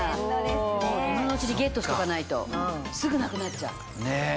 もう今のうちにゲットしとかないとすぐなくなっちゃう。